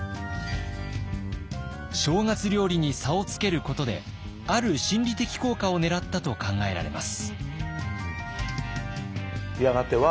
正月料理に差をつけることである心理的効果をねらったと考えられます。